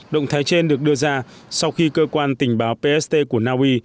động thái trên được đưa ra sau khi cơ quan tình báo pst của na uy